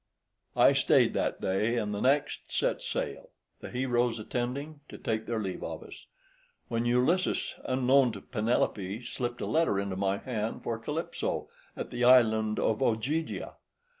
I stayed that day, and the next set sail; the heroes attending to take their leave of us; when Ulysses, unknown to Penelope, slipped a letter into my hand for Calypso, at the island of Ogygia.